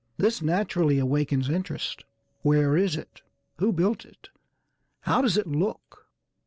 This naturally awakens interest; where is it? Who built it? How does it look?